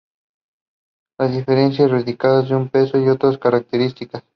Las diferencias radican en su peso y otras características.